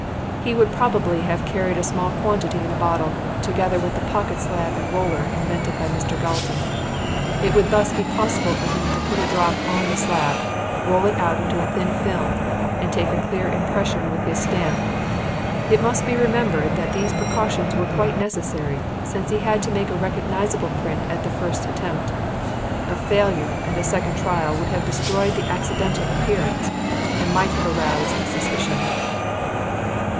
He would probably have carried a small quantity in a bottle, together with the pocket slab and roller invented by Mr. Galton. It would thus be possible for him to put a drop on the slab, roll it out into a thin film and take a clean impression with his stamp. It must be remembered that these precautions were quite necessary, since he had to make a recognisable print at the first attempt. A failure and a second trial would have destroyed the accidental appearance, and might have aroused suspicion."